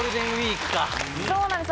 そうなんです